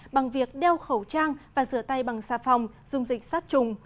bằng việc đeo khẩu trang và rửa tay bằng xà phòng dùng dịch sát trùng